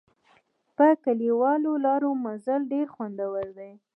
په کلیوالي لارو مزل ډېر خوندور دی.